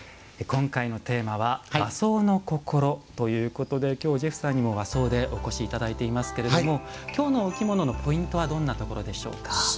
今回のテーマは「和装のこころ」ということできょう、ジェフさんにも和装でお越しいただいていますがきょうのお着物のポイントはどんなところでしょうか？